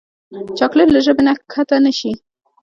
چاکلېټ له ژبې نه کښته نه شي.